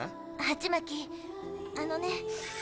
ハチマキあのね。